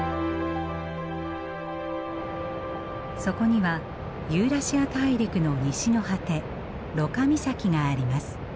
そこにはユーラシア大陸の西の果てロカ岬があります。